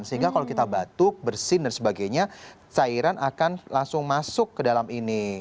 sehingga kalau kita batuk bersin dan sebagainya cairan akan langsung masuk ke dalam ini